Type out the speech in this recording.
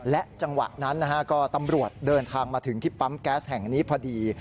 จังหวะนั้นนะฮะก็ตำรวจเดินทางมาถึงที่ปั๊มแก๊สแห่งนี้พอดี